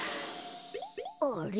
あれ？